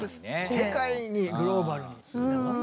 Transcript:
世界にグローバルにつながった。